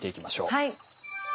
はい。